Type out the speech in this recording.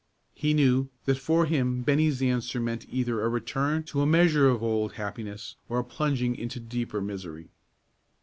He knew that for him Bennie's answer meant either a return to a measure of the old happiness, or a plunging into deeper misery.